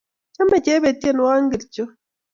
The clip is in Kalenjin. Chame Chebet tyenwogik ngircho?